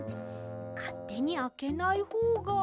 かってにあけないほうが。